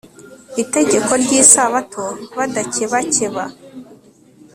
itegeko ryIsabato badakebakeba